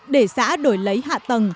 để xã đổi lấy hạ tầng